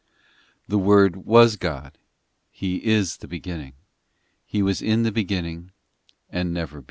ii The Word was God, He is the Beginning ; He was in the Beginning, And never began.